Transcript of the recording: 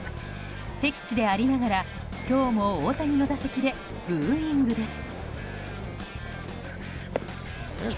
敵地でありながら今日も大谷の打席でブーイングです。